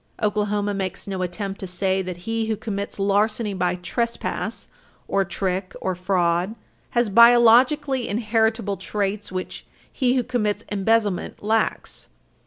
Oklahoma makes no attempt to say that he who commits larceny by trespass or trick or fraud has biologically inheritable traits which he who commits embezzlement lacks.